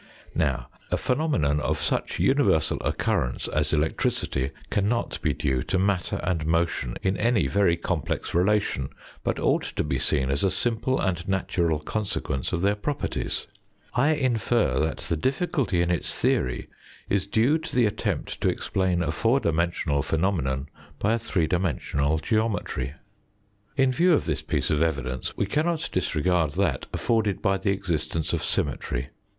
Now, a phenomenon of such universal occurrence as electricity cannot be due to matter and motion in any very complex relation, but ought to be seen as a simple and natural consequence of their properties. I infer that the difficulty in its theory is due to the attempt to explain a four dimensional phenomenon by a three dimensional geometry. In view of this piece of evidence we cannot disregard that afforded by the existence of symmetry.